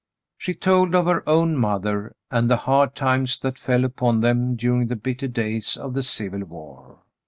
She told of her own mother, and the hard times that fell upon them during the bitter days of the Civil War.